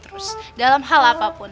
terus dalam hal apapun